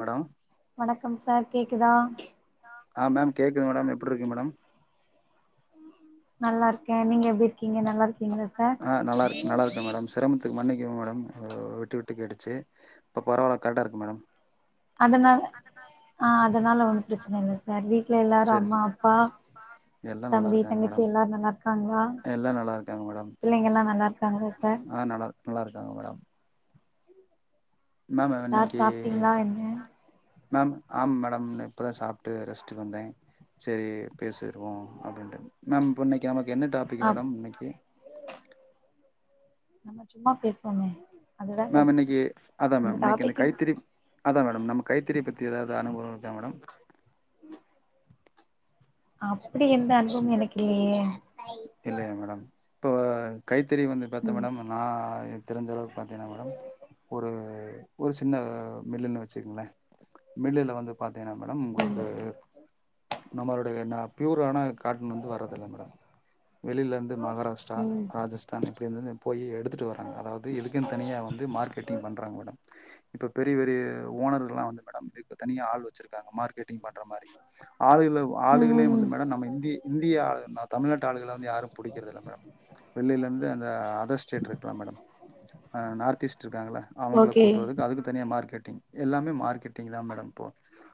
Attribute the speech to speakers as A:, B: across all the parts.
A: மேடோ
B: வணக்கம் சார் கேக்குதா
A: ஆ மேம் கேக்குது மேடம் எப்பிடி இருக்கீங்க மேடம்
B: நல்லா இருக்க நீங்க எப்டி இருக்கீங்க நல்லாருக்
A: ஆ நல்லாருக்கு நல்லாருக்க மேடம் சிரமத்துக்கு மன்னிக் [unintelligible] மேடம் விட்டு விட்டு கேட்டுச்சு இப்போ பரவாயில்ல கரட்டா இருக்கு மேடம்
B: அதனால ஆத் அதனால ஒன்னு பிரச்சன இல்ல சார் சார் வீட்ல எல்லாரும்
A: செரி
B: அம்மா
A: செரி
B: அப்பா
A: எல்லா நல்லா
B: தம்பி
A: இருக்காங்க
B: தங்கிச்சி
A: மேடம்
B: எல்லாரும் நல்லா இருக்காங்களா
A: எல்லா நல்லா இருக்காங்க மேடம்
B: பிள்ளைங்க எல்லா நல்லா இருக்காங்களா சார்
A: ஆ நல்லா நல்லா இருக்காங்க மேடம் மேம்
B: சார்
A: இன்னைக்கு
B: சாப்டிங்ளா என்ன
A: மேம் ஆமா மேடம் இப்ப தா சாப்ட்டு ரெஸ்ட்டு வந்த செரி பேசிருவோ அப்டின்ட்டு மேம் போன்னைக்கி நமக் என்ன டாபிக்
B: அப்
A: மேடம் இன்னைக்கி
B: நம்ம சும்மா பேசுவோமே அதுதா
A: மேம்
B: டாபிக்
A: இன்னைக்கு அதா
B: நம்ம
A: மேம் இன்னைக்கு இந்த
B: டாபிக்கு
A: கைத்திரிப் அதா மேடம் நம்ம கைத்திரிய பத்தி ஏதாவது அனுகுலம் இருக்க மேடம்
B: அப்டி எந்த அனுபவமு எனக்கு இல்லியே
A: இல்லையா மேடம் இப்போ கைத் திரி வந்து பாத்த
B: ம்
A: மேடம் நா த் தெரிஞ்சளவு பாத்தீனா மேடம் ஒரு ஒரு சின்ன மில்லுனு வச் சுங்ளே மில்லுல வந்துப் பாத்தீனா மேடம்
B: ம்
A: உங்ளுக்கு நம்மளுடைய நாப் பியூர் ஆனர் கார்டன் வந்து வரதில்ல மேடம் வெளியில இருந்து மகாராஷ்டிரா
B: ம்
A: ராஜஸ்தான் இப்டி இருந்தது போயி எடுத்துட்டுவராங்க அதாவது இதுக்குன் தனியா வந்து மார்க்கெட்டிங் பண்றாங்க மேடம் இப்ப பெரிய பெரிய ஓனர்கலெல்லா வந்து மேடம் இதுக்கு தனியா ஆள் வச்சிருக்காங்க மார்க்கெட் டிங் பண்ற மாரி ஆளிளவ்
B: ம்
A: ஆளுகளே வந்து
B: ம்
A: மேடம் நம்ம இந்தி இந்தியா நா தமிழ்நாட் ல வந்து யாரும் புடிக்கறது இல்ல மேடம் வெள்ளிலந்து அந்த அதர்ஸ்டேட் இருக்குலா மேடம் நார்த்ஈஸ்ட் இருக்காங்கள அவுங்கள
B: ஓகே
A: கூட்டு வந்து அதுக்கு தனியா மார்கெட்டிங் எல்லாமே மார்கெட்டிங்தா மேடம் இப்போ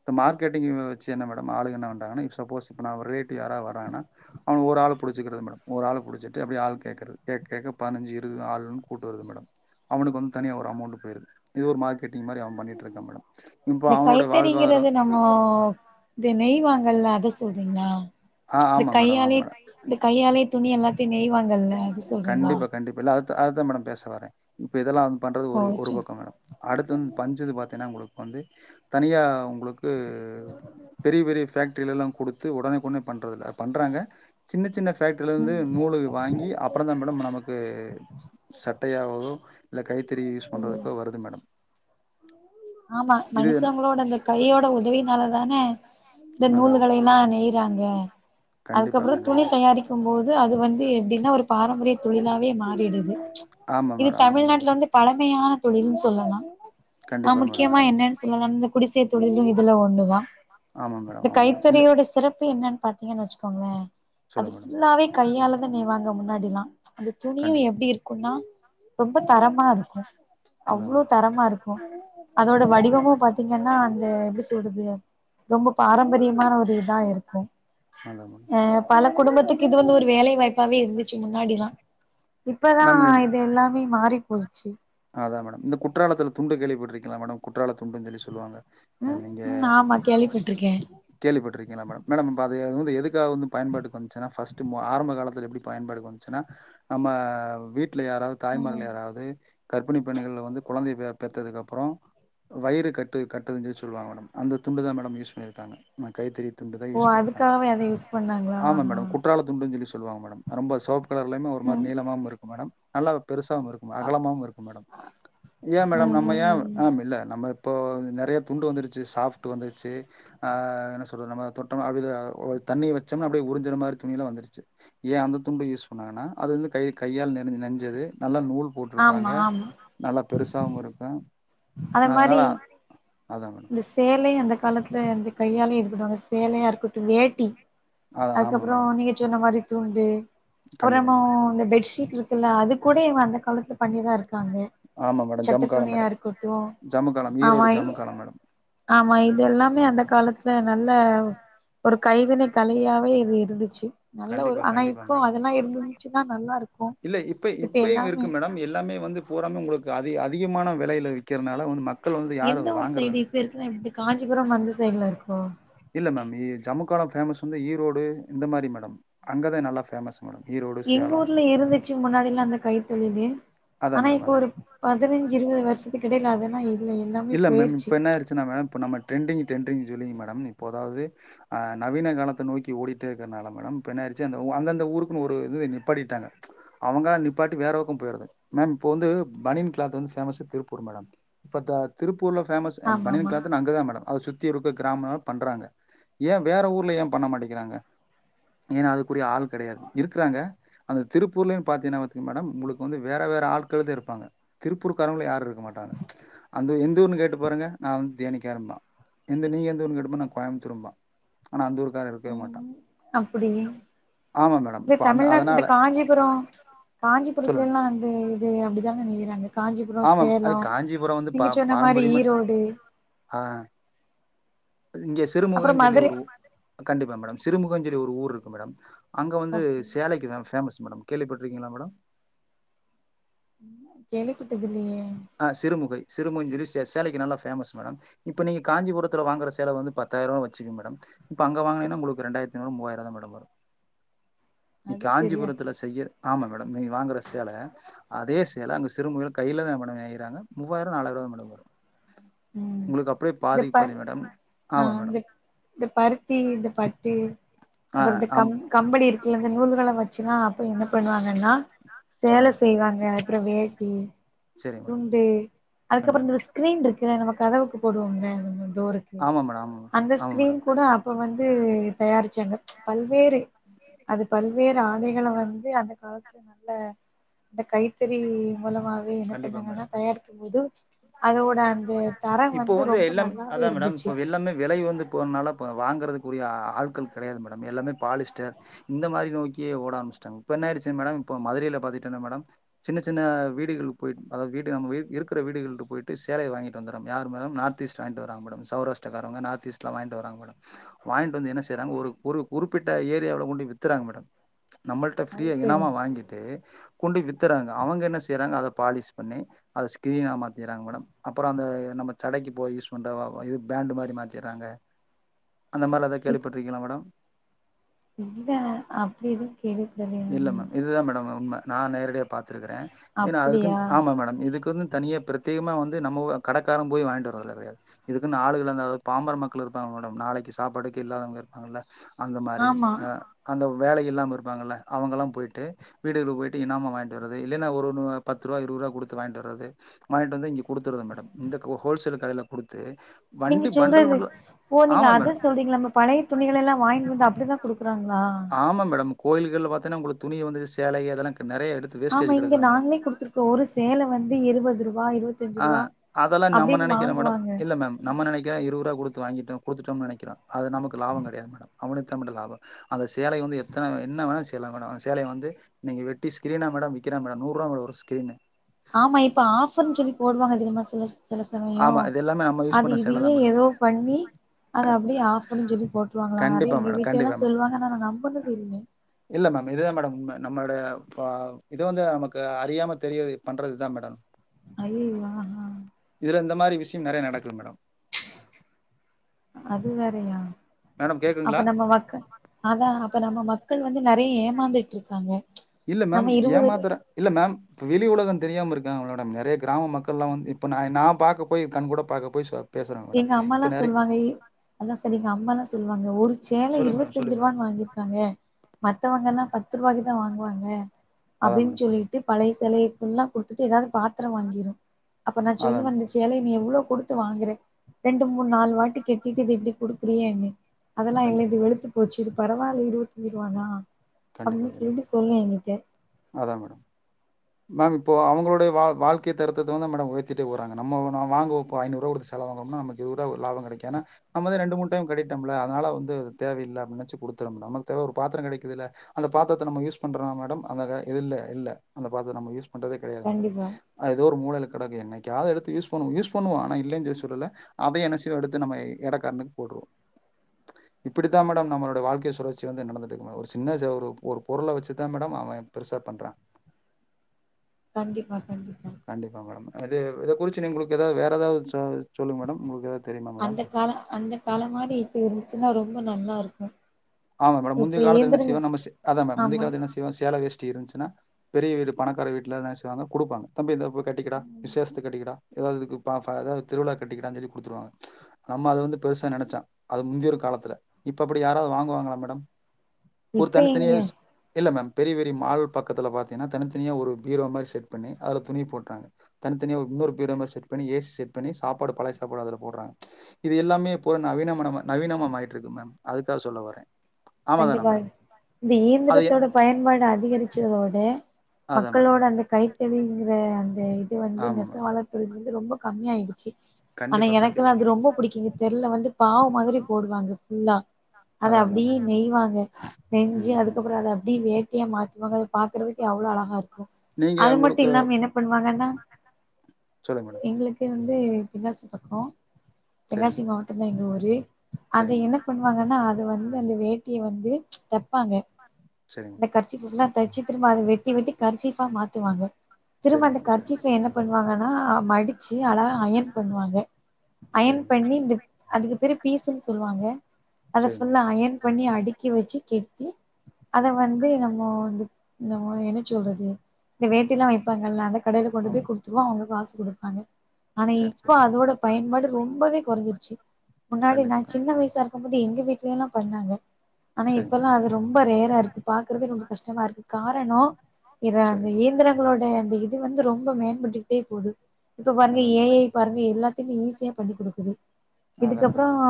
A: இப்ப மார்க்கெட்டிங் வச்சி என்ன மேடம் ஆளுங்க என்ன பண்றாங்கன்னா சப்போஸ் இப்ப நா ஒரு ரேட் யாரா வராங்கன்னா அனுங்க ஒரு ஆள் புடிச்சிகறது மேடம் ஒரு ஆள புடிச்சிட்டு அப்டியே ஆள் கேக்கறது ஏக் ஏகா பதினஞ்சு இருவது ஆளும் கூட்டு வர்றது மேடம் அவனுக்கு வந்து தனியா ஒரு அமௌன்ட் போய்ருது இது ஒரு மார்க் டிங்க மாரி அவன் பண்ணிட்டு இருக்கான் மேடம் இப்போ
B: இந்த
A: அவனுடைய வாழ்வாரோ
B: இந்த நெய்வாங்கல்ல அத சொல்றீங்களா
A: ஆ
B: இந்த
A: ஆமா மேடம் ஆமா
B: கையாலே
A: மேடம்
B: இந்த கையாலே துணி எல்லாத்தையு நெய்வாங்கல்ல சொல்றீங்களா
A: கண்டிப்பா கண்டிப்பா இல்ல அது அதுதா மேடம் பேச வரே இப்ப இதெல்லா பண்றது
B: ஓ
A: ஒரு
B: சே
A: பக்கம் மேடம் அடுத்து வந்து பஞ்சுனு பாத்தீங்கனா வந்து தனியா வந்து பெரிய பெரிய பேக்ரில எல்லா குடுத்து உடனேக் உடனே பண்றதில்ல பண்றாங்க சின்ன சின்ன பேக்ட்ரிலிருந்து
B: ம்
A: நூலு வாங்கி அப் அப்பற தா மேடம் நமக்கு சட்டையாஒ இல்ல கைத்தறி யூஸ்
B: ம்
A: பண்றதுக்கோ வருது மேடம்
B: ஆமா
A: இது
B: மனுஷங்களோட அந்த கையோட உதவினால தான இந்த
A: அதான்.
B: நூல்களல்லா நெயி றாங்க அதுக்கு
A: கண்டிப்பா
B: அப்றோ
A: கண்டிப்பா
B: துணி தயாரிக்க போது அது வந்து எப்டின்னா ஒரு பாரம்பரிய தொழிலாவே மாறிடுது
A: ஆமா
B: இது
A: மேடம் ஆமா மேடம்
B: தமிழ்நாட்ல வந்து பழமையான தொழில்ன்னு சொல்லலா ஆ
A: கண்டிப்பா மேடம்
B: முக்கியமா
A: கண்டிப்பா
B: என்னென்னு சொல்லலா இந்த குடிசேர்த் தொ [unintelligible] எல்லா ஒன்னுதா
A: ஆமா மேடம்
B: இந்த
A: ஆமா மேடம் இல்ல
B: கைத்தறியோட சிறப்பு என்னன்னு பாத்தா இல்லேனு வச்சுக்கோங்லே
A: சொல்லுங்க மேடம்
B: எல்லாவே கையாலத நெய்வாங்கா முன்னாடில்லா அந்த துணியு
A: கண்டிப்பா
B: எப்டி இருக்கு ஆனா ரொம்ப தரமா இருக்கு
A: அதா
B: அவ்ளோ
A: மேடம்
B: தரமா இருக்கு அதோட
A: சரி
B: வடிவமு பாத்தீங்கன்னா அந்த எப்டி சொல்றது ரொம்ப பாரம்பரியமான ஒரு இதா இருக்கு
A: அதா மேடம்
B: அ பல குடும்பத்துக்கு இது வந்து ஒரு வேலை வாய்ப்பாவே இருந்துச்சு முன்னாடிலா இப்பதா இது எல்லாமே மாறி வச்சி
A: அதா மேடம் இந்த குற்றாலத்துல துண்டு கேள்விப்பட்டிருக் இதா மேடம் குற்றால துண்டுன்னு சொல்லி சொல்லுவாங்க
B: ம்
A: நீங்க
B: ம் ஆமா கேள்விப்பட்டிருக்கே
A: கேள்விப்பட்டிருக்கீங்ளா மேடம் மேடம் இப்ப அது வந்து எது இதுக்காக வந்து பயன்பாட்டுக்கு வந்துச்சுனா ஆரம்ப காலத்தில் எப்படி பயன்பாட்டுக்கு வந்துச்சுனா நம்ம வீட்டு வீட்ல யாராவது
B: ம்
A: தாய்மார்கள் யாராவது கரற்பிணி பெண்கள்ல வந்து குழந்தை பெற்றதுக்கு அப்புறம் வயிறு கட்டு கட்டதுன்னு சொல்லி சொல்லுவாங்க மேடம் அந்த துண்டு தான் மேடம் யூஸ் பண்ணியிருக்காங்க நான் கைத்தறி துண்டு தான்
B: ஓ
A: யூஸ் பண்ணியிருக்காங்க.
B: அதுக்கவே அதை யூஸ் பண்ணாங்களா ஆ
A: சொல்வாங்க மேடம் ரொம்ப சாஃப்ட் கலர்லுமே ஒரு மாதிரி
B: ம்
A: நீளமாவும் இருக்கும் மேடம் நல்லா பெருசாவும் இருக்கும்
B: ஆ
A: அகலமாவும் இருக்கும் மேடம் ஏ மேடம்
B: ம்
A: நம்ம
B: ம்
A: ஏன்
B: ம்
A: மேம் இல்ல நம்ம இப்போ நறைய துண்டு வந்துடுச்சு சாஃப்டு வந்துடுச்சு என்ன சொல்றது நம்ம தொட்டம் அப்படி தண்ணி வச்சோம்னா அப்படியே உறிஞ்சிற மாதிரி துணியெல்லாம் வந்துருச்சு ஏன் அந்த துண்டு யூஸ் பண்ணாங்கன்னா அது வந்து கை கையால் நெஞ்ச நெஞ்சது நல்லா நூல்
B: ஆமா
A: போட்டிருப்பாங்க நல்லா பெருசாவும் இருக்கும்
B: அத
A: அதனால
B: மாரி
A: அதான் மேடம்
B: லே அந்த காலத்துல அந்த கையாலே எதுக்கடுவாங்க சேலையா இருக்கட்டும் வேட்டி
A: அதான் ஆமா
B: அதுக்கப்புறோம்
A: மேடம்.
B: நீங்க சொன்ன மாரி துண்டு அப்புறோம்
A: கண்டிப்பா
B: நம்ம
A: மேம்.
B: இந்த பெட்ஷீட் இருக் குல அது கூட இவுங்க அந்த காலத்துல பண்ணிதான் இருக்காங்க
A: ஆமா மேடம்.
B: சட்ட
A: ஜமுக்காலம்
B: துணியா
A: மேடம்.
B: இருக்கட்டும்
A: ஜமுக்காலம்
B: ஆமா
A: ஈரோடு ஜமுக்காலம் மேடம்.
B: ஆமா இது எல்லாமே அந்த காலத்துல நல்ல ஒரு கைவினை கலையாவே இது இருந்துச்சு நல்ல ஒரு
A: கண்டிப்பா,
B: ஆனா
A: கண்டிப்பா
B: இப்போ
A: மேடம்.
B: அதெல்லாம் இருந்தந்துச்சுன்னா நல்லா இருக்கும் இப்ப எல்லாமே
A: கு அதே அது அதிகமான வெலையில விறக்கிறதுனால வந்து மக்கள் வந்து யாரும்
B: எந்த
A: அது வாங்கறது
B: சைட்லாம் இருக்கும்
A: இல்ல மேம் ஜமு காலம் பேமஸ் வந்து ஈரோடு இந்த மாதிரி மேடம் அங்கதான் நல்லா பேமஸ்
B: எங்க ஊர்ல இருந்துச்சு முன்னாடில்லா அந்த கைத்தொழிலு
A: அதா
B: ஆனா
A: மேடம்
B: இப்ப
A: அதா.
B: ஒரு பதினஞ்சு இருபது வருஷத்துக்கு இடைல அதெல்லா இல்ல எல்லாமே
A: இல்ல மேம்
B: போயிருச்சு
A: இப்ப என்ன ஆயிச்சுனா மேம் இப்ப நம்ம ட்ரெண்டிங் டரெண்ட்ரிங் சொல்லிங்க மேடம் இப்போ அதாவது அ நவீன காலத்த நோக்கி ஓடிட்டே இருக்கனால மேடம் பின்ன ஆயிச்சி அந்த அந்தந்த ஊருக்குன்னு ஒரு இது நிப்பாட்டிட்டாங்க அவங்கங்களா நிப்பாட்டி வேறாவுக்கு போயிடுது மேம் இப்போது வந்து பனின் கிளாத் வந்து ஃபேமஸ்ஸு திருப்பூர் மேடம் இப்போ த இப்ப உள்ள ஃபேமஸ்
B: ஆமா
A: பணியன்
B: ஆமா
A: க்லாத் னா அங்க தா மேடம் அத சு இருக்க கிராம பண்றாங்க ஏன் வேற ஊர்ல ஏன் பண்ண மாட்டேக்கிறாங்க ஏன்ன அதுக்குரிய ஆள் கெடையாது இருக்கிறாங்க அந்த திருப்பூர்ல பாத்தீங்கனா பத்து மேடம் உங்களுக்கு வந்து வேற வேற ஆட்கள் தா இருப்பாங்க திருப்பூர்க்காரங்கள யாரு இருக்க மாட்டாங்க அந்த எந்த ஊருன்னு கேட்டு பாகருங்க நா வந்து தேனிக்காரம்பா எந்த நீங்கள் எந்த ஊரு கேட்டு போ நா கோயமுத்தூரும்பா
B: ம் அப்டி
A: ஆமா மேடம்
B: இந்த
A: இப்ப அந்த
B: தமிழ்நாடு இந்த
A: அதனால
B: காஞ்சிபுரோ காஞ்சி
A: சொல்லுங்க
B: வித்துலலா வந்து இது அப்டிதா நெயிறாங்க காஞ்சிபுரோ
A: ஆமா மே- அது
B: சேலோ
A: காஞ்சிபுரம் வந்து பா
B: நீங்க சொன்னா மாதிரி
A: பாரம்பரியமா
B: ஈரோடு
A: இங்கே
B: அப்றோ
A: சிறுமுகம் சொல்லி
B: மதுரை
A: உரு கண்டிப்பா மேடம் திருமுகஞ்சோலி ஒரு ஊர் இருக்கு மேடம் அங்க வந்து
B: ஓகே
A: சேலைக்கு தா ஃபேமஸ் மேடம் கேள்விப்பட்டிருகீங்களா மேடம்
B: கேளிபட்டது இல்லயே
A: ஆ சிறுமுகை சிறுமுகயினு சொல்லி சே சேலக்கி நல்லா பேமஸ் மேடம் இப்ப நீங்க காஞ்சிபுரத்துல வாங்கற சேலவந்து பத்தாயிரோ வச்சுங்க மேடம் இப்ப அங்க வாங்கினிங்கனா உங்களுக்கு ரெண்டாயிரத்தைநூரு மூவாயிரோ தா மேடம் வரு நீ
B: அது செரியா
A: காஞ்சிபுரத்துல செய்யர் ஆமா மேடம் நீ வாங்குற சேல அதே சேல அங்க சிறுமுகில கையில தா மேடம் நெய்றாங்க மூவாயிரோ நாலாயிர மேடம் வரு
B: ம் இந்த ப
A: மேடம்
B: ஆ
A: ஆமா
B: இந்த
A: மேடம்
B: இந்த பருத்தி இந்த பட்டு
A: ஆ
B: அப்புற இந்த
A: ஆம்
B: கம் கம்பளி இருக்குல இந்த நூல் நூலா வரு வச்சுதா அப்ப என்ன பண்ணுவாங்க நா சேல
A: சொல்லுங்க மேடம்
B: செய்வாங்க அப்புற வே ம்
A: சரிங்க மேடம்
B: துண்டு அதுக்கப்புற
A: கண்டிப்பா
B: இந்த ஸ்கிரீன் இருக் நம கதவுக்கு போடுவோம்ல டோரு
A: ஆமா மேடம் ஆமா மேடம் ஆமா
B: அந்தஸ்கிரீன்
A: மேடம்
B: கூட அப்ப வந்து தயாரிச்சாங்க பல்வேறு அது பல் பல்வேறு ஆடைகள வந்து அந்த காலத்து நல்ல இந்த கைத்தறி மூலமாவே என்ன
A: கண்டிப்பா மேடம்
B: பண்ணாங்கன்னா தயாரிக்கு போது அதோட அந்த தரம்
A: இப்போ வந்து
B: ரொம்ப
A: எல்லா
B: நல்லாவே
A: அதா மேடம்
B: இருந்துச்சு
A: இப்போ எல்லாமே விலை உயந்து போனால ப வாங்கறதுக்குரிய ஆள்க்கள் கெடையாது மேடம் எல்லாமே பாலிஸ்டர் இந்த மாரி நோக் கி ஓட ஆரம்பிச்சிட்டாங்க இப்ப என்ன ஆயிடுச்சு மேடம் இப்போ மதுரையில பாத்திட்டன்னா மேடம் சின்ன சின்ன வீடுகள் போய் அதாவது வீடு நம்ம வீட் இருக்கிற வீடுகள்ற போயி ட்டு சேலைய வாங்கிட்டு வந்தர்றாங்க யாரு மேடம் நார்த் ஈஸ்ட் வாங்கிட்டு வராங்க மேடம் சௌராஸ்டிரா காரவுங்க நார்த் ஈஸ்ட்லா வாங்கிட்டு வராங்க மேடம் வாங்கிட்டு வந்து என்ன செய்யறாங்க ஒரு ஒரு குறிப்பிட்ட ஏரியாவுல கொண்டு போய் வித்தர்றாங்க மேடம் நம்மள்ட்ட
B: அது
A: ஃப்ரீயா
B: சரி
A: இனாமா வாங்கிட்டு கொண்டு போய் வித் தர்றாங்க அவங்க என்ன செய்யறாங்க அத பாலிஷ் பண்ணி அத ஸ்கிரீனா மாத்திர்றாங்க மேடம் அப்புறோ அந்த நம்ம சடைக்கு இப்போ யூஸ் பண்ற ஆ ஆ இது பேண்டு மாரி மாத்திர்றாங்க அந்த மாரல்லா எதா
B: இப்
A: கேள்விப்பட்ருக்கீங்களா மேடம்
B: இல்ல அப்டி எதுவு கேள்விப்படலயே நானு
A: நா நேரடியாக பாத் திருக்கிறே ஏன்னா அதுக்குன்
B: அப்டியா
A: ஆமா மேடம் இதுக் குன்னு தனியா பிரத்யேகமாக வந் து நம்ம ஊ கடக்கார போய் வாங்கிட்டு வர்றதெல்லா கெடையாது இதுக்குன்னு ஆளுகல்லாந்தா அதாவது பாம்பர மக்கள் இருப்பாங்க மேடம் நாளைக்கு சாப்பாடுக்கே இல்லாதவங்க இருப்பாங்கல்ல அந்த மாரி
B: ஆமா
A: ஆ அந்த வேலை இல்லாம இருப்பாங்கல்ல அவங்கல்லா போய்ட்டு வீடுகளுக்கு போயிட்டு இனாமா வாங்கிட்டு வர்றது இல்லைன்னா ஒரு நூ பத்து ருவா இருவது ருவா குடுத்து வாங்கிட்டு வர்றது வாங்கிட்டு வந்து இங்க குடுத்தறதுங் மேடம் இந்த ஹோ ஹோல்சேல் கடைல குடுத்து
B: நீங்க
A: வண்டி பண்டல்
B: சொல்றது
A: பண்டல்
B: ஓ நீங்க
A: ஆமா
B: அத
A: மேடம்.
B: சொல்றீங்களா நம்ம பழைய துணிகள எல்லா வாங்கிட்டு வந்து அப் டிதா குடுக் கறாங்களா
A: ஆமா மேடம். கோயில்கள்ல பாத்தயின்னா உங்களுக்கு துணி வந்து சேலை அதெல்லா
B: ஆமா இங்க நாங்களே குடுத்துருக்கோ ஒரு சேல வந் து இருபது ரூ
A: ஆ அதெல்லா நம்ம நெனைக்கிறோ மேடம்
B: வாங்குவாங்க
A: இல்ல மேம் நம்ம நெனைக்கிறோ இருவது ருவா குடு த்து வாங்கிட்டோ குடுத்துட்டோன்னு நெனக்கிறோ அது நமக்கு லாபோ கெடையாது மேடம் அவனுக்குத்தா மேடம் லாபோ அந்த சேலையிலிருந்து எத்தன என்ன வேண்ணா செய்லா மேடம் அந்த சேலைய வந்து நீங்க வெட்டி ஸ்கிரீனா மேடம் விக்கிறா மேடம் நூறுருவா மேடம் ஒரு ஸ்கிரீனு
B: ஆமா இப்ப ஆஃபர்ன்னு சொல்லி போடுவாங்க தெரியுமா சில ச சில சமயோ
A: ஆமா. இது எல்லாமே நம்ம யூஸ்
B: அது
A: பண்ண சேல
B: இதையே
A: தான் மேடம்.
B: ஏதோ பண்ணி அத அப்டியே ஆஃபர்னு சொல்லி போட்ருவாங்களா
A: கண்டிப்பா
B: நெறைய எங்க
A: மேடம்,
B: வீட்ல எல்லா
A: கண்டிப்பா மேடம்.
B: சொல்வாங்க ஆனா நா நம்புனது இல்ல
A: இதுதா மேடம் உண்ம நம்மளோட பா இது வந்து நமக்கு அறியாம தெரியாது பண்றதுதா மேடம்
B: ஐயயோ ஹா
A: இல்ல இந்த மாரி விஷ யங்க நெறைய நடக்குது மேடம்
B: கையா
A: மேடம்
B: அப்ப
A: கேக்குதுங்களா?
B: நம்ம மக்க அதா அப்ப நம்ம மக்கள் வந்து நெறைய ஏமாந்துட்டு இருக்காங்க
A: இல்ல மேம்
B: நம்ம இருவது
A: ஏமாத்திர இல்ல மேம் வெளிவுழக தெரியாம இருக்கங்க மேடம் நெறைய கிராம மக்களா வந்து இப்போ நா இப்ப நா பாக்க போய் கண்கூட பாக்க போய் பேசுறேங்க மேடம்.
B: எங்க அம்மாயேல்லா
A: இப்ப நெறைய
B: சொல்லுவாங்க இ எல்ல சரி எங்க அம்மாலா சொல்வாங்க ஒரு சேல
A: சொல்லுங்க மேடம்,
B: இருவத்திஞ்சு
A: சொல்லுங்க மேடம்.
B: ரூவான்னு வாங்கிருக்காங்க மத்தவங்க எல்லா பத்து ரூவாய்க்கிதா வாங் வாங்க
A: அதான்
B: அப்பிடின்
A: மேடம்,
B: சொல்லிட்டு பழைய சேரி ஃபுல்லா குடுத்துட்டு ஏதாவது பாத்திரோ வாங்கிரோ அப்ப நா
A: அதான்
B: சொல்லுவே
A: மேடம்.
B: இந்த சேலை நீ எவ்ளோ குடுத்து வாங்றே ரெண்டு மூணு நாலு வாட்டி கட்டிட்டு இது இப்பிடி குடுக்குரியேனு அதெல்லா இல்ல
A: கண்டிப்பா.
B: இது வெளுத்துபோச்சிப் பரவால்ல இருவத்தி அஞ்சிரூவானா
A: கண்டிப்பா,
B: அப்பிடின் சொல்லிடு
A: கண்டிப்பா.
B: சொன்னே நேத்து
A: அதான் மேடம். மேம் இப்போ அவளோட வ வாழ்கை தரத்ததா மேடம் உயர்திடே போறங்க நம்மோ நா வாங்குவப்போ ஐநூறுரூவா குடுத்து செல வாங்குன்னா நமக்கு இருரூவா லாபம் கெடைக்கு ஏனா நம வந்து ரெண்டு மூணு டயம் கட்டோம்ல அதனால வந்து அது தேவைல்ல அப்பிடின் நெனச்சி குடுத்துறோ இல்ல நமக்கு தேவை ஒரு பாத்திரம் கெடைக்குதில்ல அந்த பாத்தரத்த நம்ம யூஸ் பண்ற மேடம் ஆவுங்கக எதுல்ல இல்ல அந்த பாத்தறோ நம்ம யூஸ் பன்றதே கெடையாது மேடம்
B: கண்டிப்பா
A: அது ஒரு மூலையில கடகு என்னைக்காது எடுத்து யூஸ் பண்ணுவோ யூஸ் பண்ணுவோ ஆன இல்லங் சொல்லுல அதையே என்ன செய்வ எடுத்து நம்ப எட கம்மி போடுருவோ இப்பிடி தா மேடம் நம்லோட வாழ்கைய சுழற்சி வந்து நடந்து இருக ஒரு சி ன்ன செய்வ ஒரு ஒரு பொருள வச்சிதா மேடம் அவே பெருசா பண்றா
B: கண்டிப்பா கண்டிப்
A: கண்டிப்பா மேடம் இது இத குறிச்சி நீங்களுகு ஏதாவது வேற ஏதாவது சொல் சொல்லுங்க மேடம் உங்ளுக்கு ஏத
B: அந்த கால அந்த காலம் மாரி இப்பியு இருச் ச்சினா ரொம்ப நல்லா இருக்கு
A: ஆமாங்க மேடம்
B: இப்ப
A: முந்திய காலத்ல என்னா
B: இயந்திரங்க
A: செய்வோ நம்ப சே அத மேடம் முந்திய
B: ஆமா
A: காலத்ல என்னா செய்வோ சே சேல வேஷ் டீ இருந்துச்னா பெரிய வீடு பணக்கார வீட்ல என்ன செய்வாக குடுப்பாங்க தம்பி இத புத் கட்டிகடா
B: ம்.
A: விசேஷத்க் கட்டிகடா ஏதாவுது இதுக் பா ஃபா அத திருவிழா கட்டிகிடா சொல்லி குடுத்துருவாங்க நம்ம அத வந்து பெருசா நெனச்சா அது முந்தியோர் காலத்ல இப்போ அப்பிடி யாராது வாங்குவாங் ங்களா மேடம் ஒரு
B: இப்ப எங்க
A: தனித்தனியாஸ் இல்ல மேம் பெரிய பெரிய மால் பக்கத்துல பாத்தியனா தனித்தனியா ஒரு பீரோ மாரி செட் பண்ணி அதுல துணி போட்டாங்க தனித்தனியா இன்னொரு பீரோ மாரி செட் பண்ணி ஏ சி செட் பண்ணி சாப்பாடு பழய சாப்பாடு அதுல போட்றாங்க இது எல்லாமே இப்போ நவீனமனமா நவீனமா மாறிட்ருக்கு மேம் அதுக்காக சொல்ல வரே
B: கண்டிப்பாக இந்த
A: அது எ
B: இயந்திரத்தோட பயன்பாடு அதிகரிச்சதோட
A: அதா மேடம்
B: மக்களோட அந்த கைத்த றீங்கிற அந்த இ து வந்து
A: ஆமா மேடம்
B: நெசவாளர் தொழில் வ ந்து ரொம்ப கம்மி ஆயிடுச்சு ஆனா
A: கண்டிப்பா கண்டிப்பா
B: எனக்குலா அது
A: மேடம்.
B: ரொம்ப புடிக்கு எங்க தெருல வந்து பாவ மாதிரி போடுவாங்க ஃபுல்லா அத
A: அதா அதா
B: அப்டியே
A: மேடம்
B: நெய்வாங்க நெஞ்சு
A: ம் ம்.
B: அதுக்கப்ற அத அப்டியே வேட் டியா மாத்துவாங்க அத பாக்குறதுக்கே அவ்ளொ அழகா இரு
A: நீங்க
B: அது மட்டு
A: உங்களுக்கு
B: இல்லாம என்ன பண்வாங்கன்னா
A: சொல்லுங்க மேடம்
B: எங்ளுக்கு வந் து தெங்காசி பக்கொ
A: சரிங்க
B: தெங்காசி மாவட்டந்தா எங்க ஊர் [unintelligible] அது
A: சரிங்க
B: என்ன
A: மேடம்
B: பண்வாங்கன்னா அ து வந்து அந்த வேட் டிய வந்து தப்பாங்க
A: சரிங்க
B: இந்த
A: மேடம்
B: கர்ச்சிஃபு ஃபுல்லா தச்சு திரும்ப அத வெட்டி வெட்டி கர்ச்சீஃபா மாத்துவாங்க திரும்ம
A: சரிங்க
B: அந்த
A: மேடம் சரி
B: கர்ச்சிஃப என்ன பண் வாங்கனா மடிச்சு அழகா அயன் பண்வாங்க அயன்
A: சரிங்க மேடம்
B: பண்ணி
A: சரி. சரிங்க மேடம்.
B: இந்த அதுக்கு பெரு பீஸுன் சொல்வாங்க அத
A: சரி மேடம்
B: ஃபுல்லா அயன் பண்ணி அடுக்கி வச்சு கெட்டி அத வந்து என்னமோ வந்து என்னமோ என்ன சொல்றது இந்த வேட்டில்லா வைப்பாங்கல்ல அத கடைல கொண்டு
A: ஆ
B: போய் குடுத்துருவோ அவுங்க காசு குடுப்பாங்க ஆனா
A: சரி
B: இப்போ
A: சரி
B: அதோட பயன்பாடு ரொம்பவே கொறஞ்சிருச்சு முன்னாடி நா
A: கண்டிப்பா
B: சின்ன
A: கண்டிப்பா
B: வயசா இருக்கு போது எங்க வீட்டு இதையெல்லா பண்ணாங்க ஆனா இப்ப
A: சரிங்க
B: எல்லா
A: மேடம்
B: அது
A: சரி
B: ரொம்ப ரேரா இருக்கு பாக்குறதே ரொம்ப கஷ்டமா இருக்கு காரணோ இ அந்த
A: சரிங்க
B: இயந்திரங்களோட அந்த இது வந்து ரொம்ப மேன் மட்டுட்டே போகுது இப்ப பாருங்க
A: அதா
B: ஏ
A: அதா
B: ஐ பாருங்க எல்லா ஈஸியா பண்ணி குடுக்குது
A: அதா அதா
B: இதுக்கப்றோ
A: மேடம்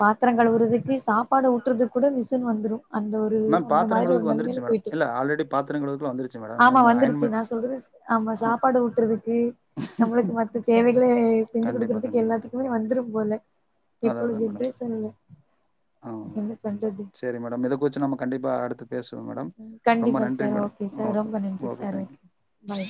B: பாத்தர கழுவுறதுக்கு சாப்ப ட்டுறது கூட மிசின் வந்துறு அந்த ஒரு
A: மேம்
B: அந்த
A: பாத்திர
B: மாதிரி ஒரு
A: கழுவுக்கு
B: நெலமையில
A: வந்துருச்சு மேடம்
B: போய்ட்டு
A: இல்ல ஆல்ரெடி பாத்திர கழுவுக்குலா வந்துருச்சு மேடம்
B: ஆமா
A: நம்ம அயன்
B: வந்துருச்சு
A: பண்
B: நா சொல்றது ஆ சாப்பாடு ஊட்டுறதுக்கு நம்மளுக்கு மத்த தேவைகள செஞ்சு
A: கண்டிப்பா
B: குடுக்குறதுக்கு
A: கண்டிப்பா
B: எல்லாத்துக்குமே வந்து வந்துரும் போல
A: அதா
B: இப்பொழுது
A: அதா மேடம்
B: ஜிப்ரேஸ்ரியல்ல
A: ஆமா மேடம் சேரி மேடம் இத குச்சம் நம்ம கண்டிப்பா அடுத்து பேசம்
B: கண்டிப்பா சார் ஓகே சார் ரொம்ப நன்றி
A: ஓகே
B: சார்
A: தேங்க்யூ
B: பாய்